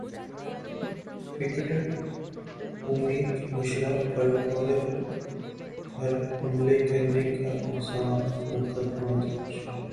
cricketer Amit Mishra پر عورت پر حملہ کرنے کا الزام مقدمہ درج